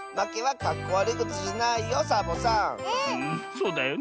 そうだよね。